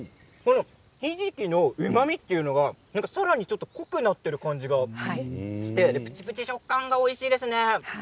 ひじきのうまみというのがさらに濃くなっている感じがしてぷちぷち食感がおいしいですね。